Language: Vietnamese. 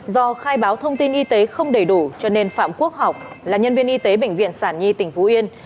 do khai báo thông tin y tế không đầy đủ cho nên phạm quốc học là nhân viên y tế bệnh viện sản nhi tỉnh phú yên